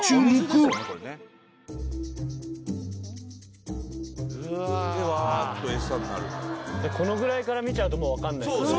このぐらいから見ちゃうともう分かんないですね。